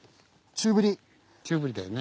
中ぶりだよね。